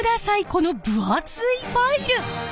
この分厚いファイル！